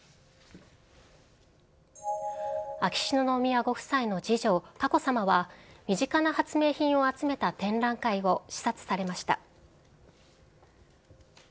秋篠宮ご夫妻の次女、佳子さまは、身近な発明品を集めた展覧会を視察されました。